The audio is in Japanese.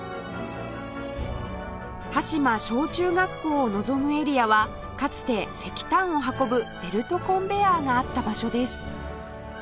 端島小中学校を望むエリアはかつて石炭を運ぶベルトコンベヤーがあった場所です